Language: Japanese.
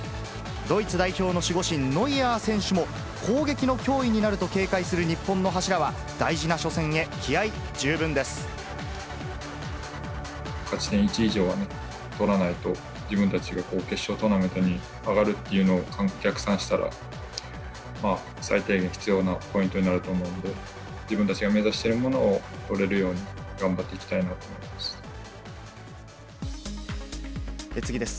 ドイツ代表の守護神、ノイアー選手も、攻撃の脅威になると警戒する日本の柱は、大事な初戦へ、気合い十勝ち点１以上は取らないと、自分たちが決勝トーナメントに上がるというのを逆算したら、最低限必要なポイントになると思うので、自分たちが目指しているものを取れるように頑張っていきたいなと次です。